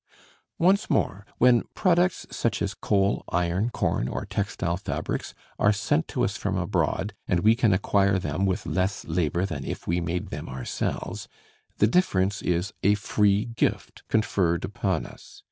Once more, when products such as coal, iron, corn, or textile fabrics are sent us from abroad, and we can acquire them with less labor than if we made them ourselves, the difference is a free gift conferred upon us.